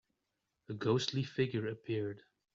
A ghostly figure appeared.